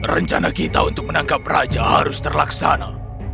rencana kita untuk menangkap raja harus terlaksana